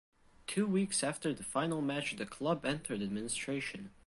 Two weeks after the final match the club entered administration.